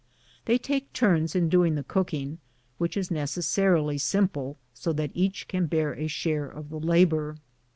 They take turns in doing the cook ing, which, being necessarily simple, each can bear a share of the labor.